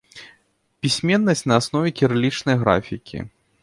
Пісьменнасць на аснове кірылічнай графікі.